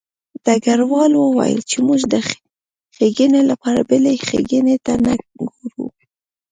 ډګروال وویل چې موږ د ښېګڼې لپاره بلې ښېګڼې ته نه ګورو